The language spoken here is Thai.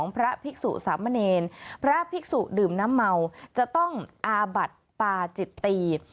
พระภิกษุดื่มน้ำเมาจะต้องอาบัติปาจิตตี